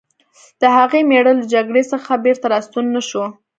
د هغې مېړه له جګړې څخه بېرته راستون نه شو